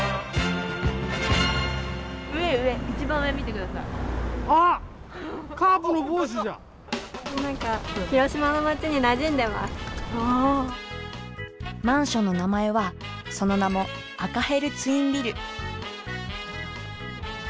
上上マンションの名前はその名も赤ヘルツインビル。